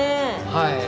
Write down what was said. はい。